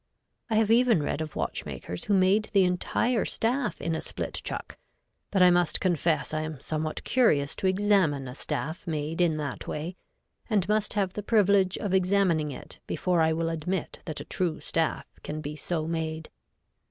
I have even read of watchmakers who made the entire staff in a split chuck, but I must confess I am somewhat curious to examine a staff made in that way, and must have the privilege of examining it before I will admit that a true staff can be so made.